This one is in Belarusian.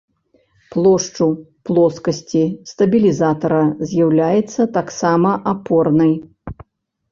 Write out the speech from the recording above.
Плошчу плоскасці стабілізатара з'яўляецца таксама апорнай.